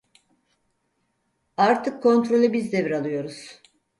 Artık kontrolü biz devir alıyoruz.